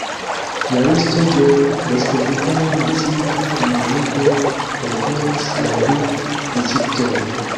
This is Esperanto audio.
La listo de respublikana nacia unuiĝo konkeris la du distriktojn.